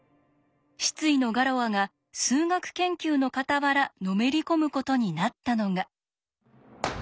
失意のガロアが数学研究のかたわらのめり込むことになったのが。